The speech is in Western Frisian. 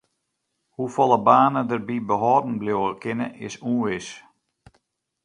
Hoefolle banen dêrby behâlden bliuwe kinne is ûnwis.